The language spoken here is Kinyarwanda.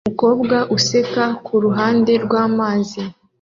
Umukobwa useka kuruhande rwamazi